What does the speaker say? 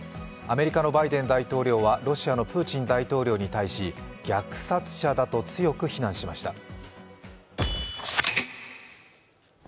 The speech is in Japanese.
アメリカのバイデン大統領はロシアのプーチン大統領に対し虐殺者だと強く非難しました。